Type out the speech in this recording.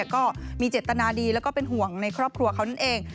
ก็มีเจตนาดีแล้วก็เป็นห่วงในครอบครัวเขานั่นเอง